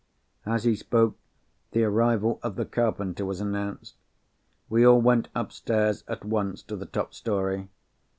As he spoke, the arrival of the carpenter was announced. We all went upstairs, at once, to the top story.